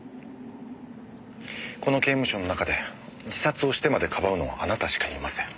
この刑務所の中で自殺をしてまでかばうのはあなたしかいません。